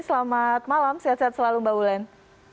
selamat malam sehat sehat selalu mbak ulen